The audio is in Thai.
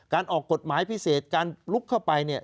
ออกกฎหมายพิเศษการลุกเข้าไปเนี่ย